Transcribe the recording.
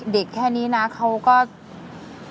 เด็กแค่นี้นะเขาก็ดึงเดินดัน